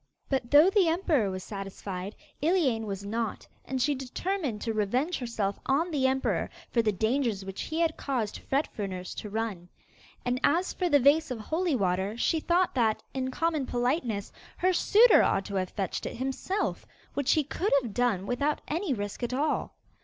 But though the emperor was satisfied, Iliane was not, and she determined to revenge herself on the emperor for the dangers which he had caused Fet Fruners to run. And as for the vase of holy water, she thought that, in common politeness, her suitor ought to have fetched it himself, which he could have done without any risk at all.